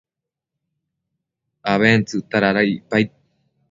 abentsëcta dada icpaid